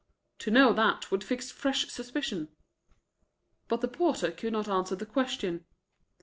To know that would fix fresh suspicion. But the porter could not answer the question.